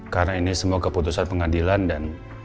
karena ini semua keputusan pengadilan dan